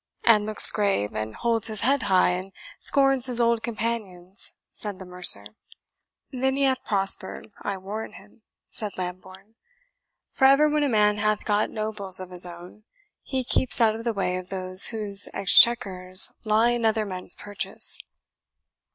"And looks grave, and holds his head high, and scorns his old companions," said the mercer. "Then he hath prospered, I warrant him," said Lambourne; "for ever when a man hath got nobles of his own, he keeps out of the way of those whose exchequers lie in other men's purchase."